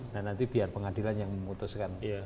dan nanti biar pengadilan yang memutuskan